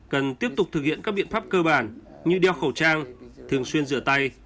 cần tiếp tục thực hiện các biện pháp cơ bản như đeo khẩu trang thường xuyên rửa tay